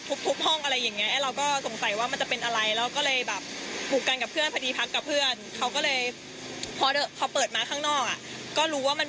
ช่วยเล่าให้ฟังเลยคะพี่ว่าก่อนนั้นมันเกิดอะไรขึ้น